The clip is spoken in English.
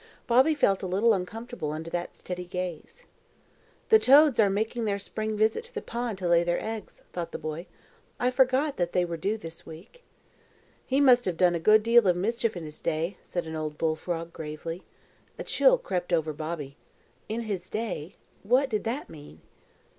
Bobby felt a little uncomfortable under that steady gaze. "The toads are making their spring visit to the pond to lay their eggs," thought the boy. "I forgot that they were due this week." "He must have done a good deal of mischief in his day," said an old bull frog, gravely. A chill crept over Bobby. "In his day." What did that mean?